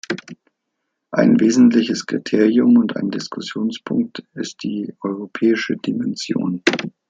Ein wesentliches Kriterium und ein Diskussionspunkt ist die europäische Dimension.